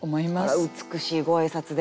あら美しいご挨拶で。